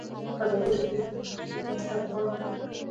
ازادي راډیو د د بیان آزادي پر وړاندې د حل لارې وړاندې کړي.